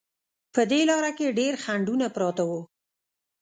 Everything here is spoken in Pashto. په دې لاره کې ډېر خنډونه پراته وو.